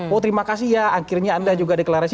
oh terima kasih ya akhirnya anda juga deklarasi